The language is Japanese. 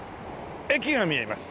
駅が見えます。